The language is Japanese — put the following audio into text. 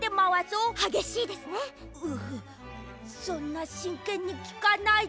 ううそんなしんけんにきかないで。